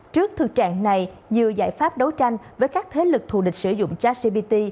trước thực trạng này nhiều giải pháp đấu tranh với các thế lực thù địch sử dụng chatgpt